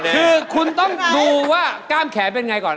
คือคุณต้องดูว่ากล้ามแขนเป็นไงก่อน